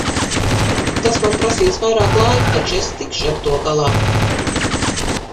Tas man prasīs vairāk laika, taču es tikšu ar to galā.